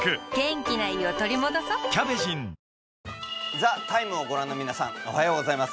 「ＴＨＥＴＩＭＥ，」を御覧の皆さんおはようございます。